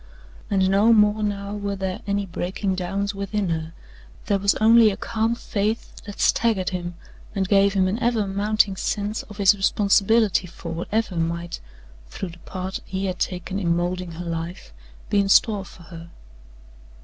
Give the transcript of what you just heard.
And no more now were there any breaking downs within her there was only a calm faith that staggered him and gave him an ever mounting sense of his responsibility for whatever might, through the part he had taken in moulding her life, be in store for her.